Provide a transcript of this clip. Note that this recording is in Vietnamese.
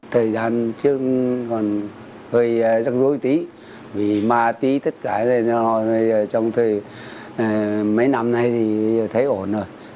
thời gian trước còn hơi rắc rối tí vì ma tí tất cả trong mấy năm nay thì thấy ổn rồi